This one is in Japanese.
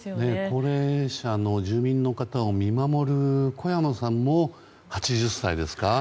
高齢者の住民の方を見守る小山さんも８０歳ですか。